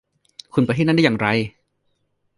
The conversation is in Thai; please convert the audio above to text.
คุณไปที่นั่นได้อย่างไร